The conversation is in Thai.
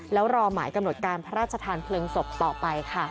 แล้วรอหมายกำหนดการพระราชทานเพลิงศพต่อไปค่ะ